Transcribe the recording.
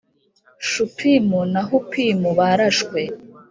Shupimu na Hupimu barashwe